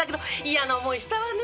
嫌な思いしたわね。